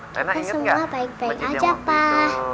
kita semua baik baik aja pak